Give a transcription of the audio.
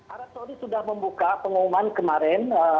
arab saudi sudah membuka pengumuman kemarin